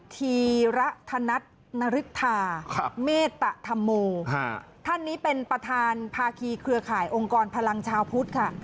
ธีระธนัทนริธาเมตตธรรโมท่านนี้เป็นประธานภาคีเครือข่ายองค์กรพลังชาวพุทธค่ะ